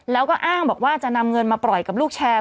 แล้วก็อ้างบอกว่าจะนำเงินมาปล่อยกับลูกแชร์